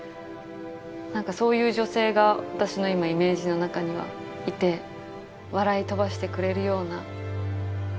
何かそういう女性が私の今イメージの中にはいて笑い飛ばしてくれるような。